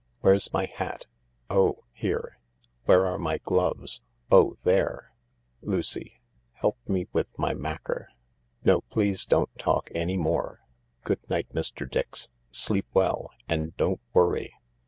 Where's my hat ?— oh* here ! Where are my gloves oh, there ! Lucy, help me with my macker. No, please don't talk any more. Good night, Mr. Dix. Sleep well, and don't worry.